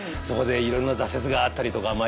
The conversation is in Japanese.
そこでいろんな挫折があったりとか。